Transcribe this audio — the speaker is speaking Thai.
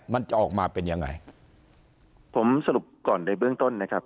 มันจะออกมาเป็นยังไงผมสรุปก่อนในเบื้องต้นนะครับ